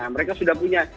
mereka sudah punya